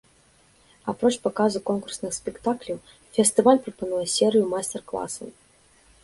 Апроч паказу конкурсных спектакляў, фестываль прапануе серыю майстар-класаў.